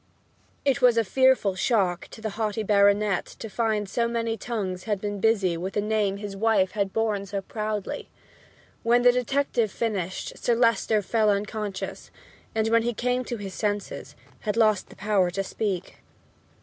It was a fearful shock to the haughty baronet to find so many tongues had been busy with the name his wife had borne so proudly. When the detective finished, Sir Leicester fell unconscious, and when he came to his senses had lost the power to speak.